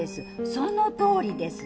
そのとおりです。